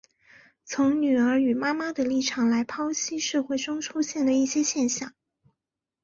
从女儿与妈妈的立场来剖析社会中出现的一些现象。